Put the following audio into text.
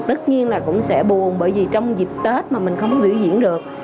tất nhiên là cũng sẽ buồn bởi vì trong dịch tết mà mình không biểu diễn được